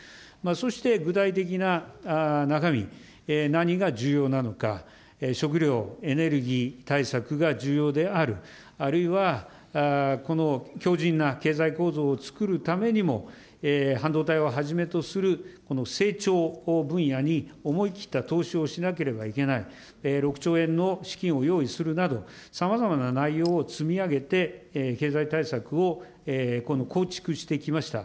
そして具体的な中身、何が重要なのか、食料、エネルギー対策が重要である、あるいはこの強じんな経済構造をつくるためにも、半導体をはじめとするこの成長分野に思い切った投資をしなければいけない、６兆円の資金を用意するなど、さまざまな内容を積み上げて経済対策を構築してきました。